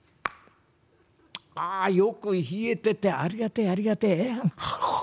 あよく冷えててありがてえありがてえ。